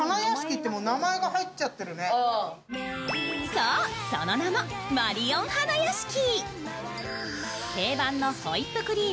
そう、その名もマリオン花やしき